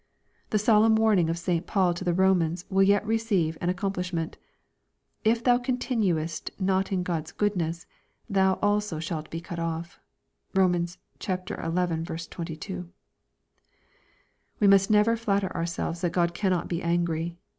The solemn warning of St. Paul to the Eomans will yet receive an accom plishment :" If thou continuest not in God's goodness, thou also shalt be cut off/' (Rom. xi. 22.) We must never flatter ourselves that God cannot be angry.